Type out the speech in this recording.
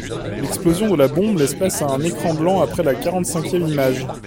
L'explosion de la bombe laisse place à un écran blanc après la quarante-cinquième image.